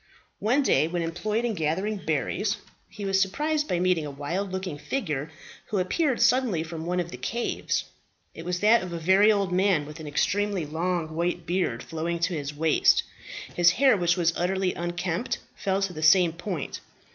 One day when employed in gathering berries he was surprised by meeting a wild looking figure, who appeared suddenly from one of the caves. It was that of a very old man, with an extremely long white beard flowing to his waist; his hair, which was utterly unkempt, fell to the same point.